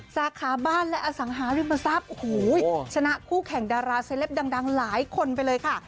สาขาบ้านและอสังหาริมทรัพย์โอ้โหชนะคู่แข่งดาราเซลปดังหลายคนไปเลยค่ะ